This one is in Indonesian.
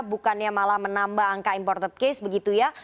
bukannya malah menambah angka imported case begitu ya